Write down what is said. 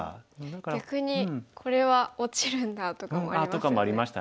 逆に「これは落ちるんだ」とかもありますよね。